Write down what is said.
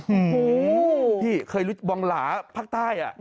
อู๋เห็นไหมบองหลาภาคใต้อะ